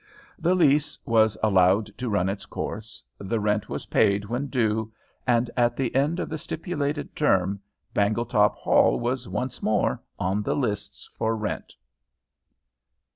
The lease was allowed to run its course, the rent was paid when due, and at the end of the stipulated term Bangletop Hall was once more on the lists as for rent.